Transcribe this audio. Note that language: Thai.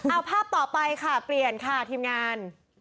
เอาภาพต่อไปค่ะเปลี่ยนค่ะทีมงาน